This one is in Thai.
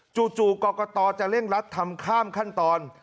จู่กรกตจะเร่งรัดทำข้ามขั้นตอน